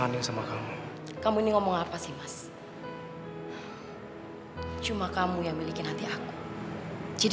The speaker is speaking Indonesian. aduh salma kenapa sih kau jadi kayak gini